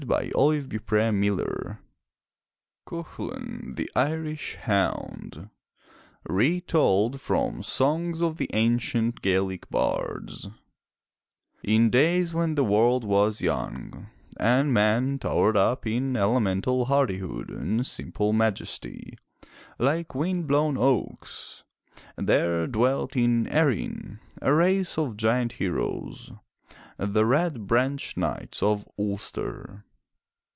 395 MY BOOK HOUSE CUCHULAIN, THE IRISH HOUND Retold from Songs of the Ancient Gaelic Bards N DAYS when the world was young and men towered up in elemental hardihood and simple majesty, like wind blown oaks, there dwelt in Erin a race of giant heroes — the Red Branch Knights of Ulster.